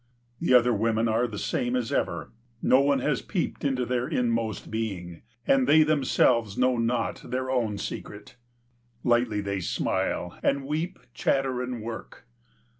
The other women are the same as ever. No one has peeped into their inmost being, and they themselves know not their own secret. Lightly they smile, and weep, chatter, and work.